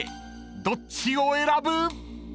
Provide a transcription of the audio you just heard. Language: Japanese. ［どっちを選ぶ⁉］